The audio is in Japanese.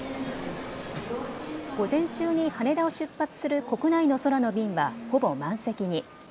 午前中に羽田を出発する国内の空の便は、ほぼ満席に。